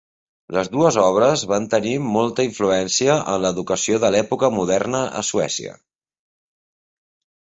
Les dues obres van tenir molta influència en l'educació de l'època moderna a Suècia.